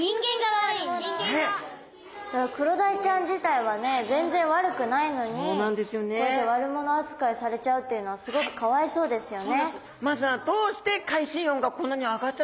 クロダイちゃん自体はね全然悪くないのにこうやって悪モノ扱いされちゃうっていうのはすごくかわいそうですよね。